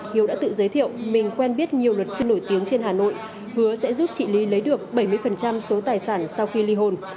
hiếu đã tự giới thiệu mình quen biết nhiều luật sư nổi tiếng trên hà nội hứa sẽ giúp chị lý lấy được bảy mươi số tài sản sau khi ly hôn